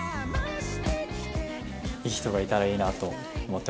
いい人がいたらいいなと思ってます。